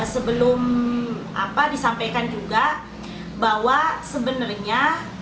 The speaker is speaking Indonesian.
sebelum disampaikan juga bahwa sebenarnya